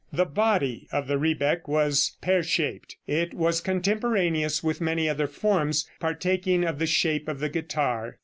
The body of the rebec was pear shaped. It was contemporaneous with many other forms partaking of the shape of the guitar.